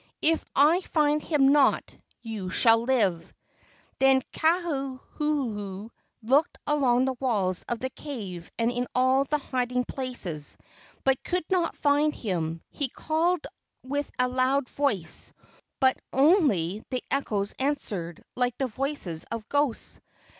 If I find him not, you shall live." Then Kauhuhu looked along the walls of the cave and into all the hiding places, but could not find him. He called with a loud voice, but only the echoes answered, like the voices of ghosts.